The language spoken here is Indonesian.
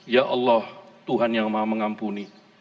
ya allah tuhan yang maha mengampuni